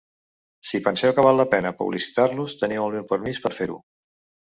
Si penseu que val la pena publicitar-los, teniu el meu permís per fer-ho.